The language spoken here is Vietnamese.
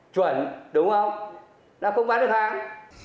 chuẩn đúng không nó không bán được hàng